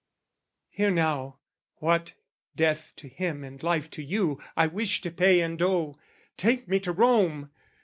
"Hear now what death to him and life to you "I wish to pay and owe. Take me to Rome!